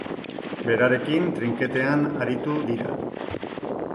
Berarekin, trinketean aritu dira.